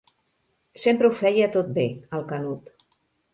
Sempre ho feia tot bé, el Canut.